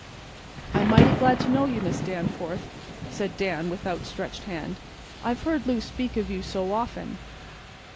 "I'm mighty glad to know you, Miss Danforth," said Dan, with outstretched hand. "I've heard Lou speak of you so often."